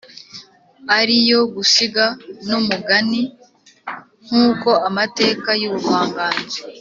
ari yo “gusiga” n’ “umugani”. Nk’uko amateka y’ubuvanganzo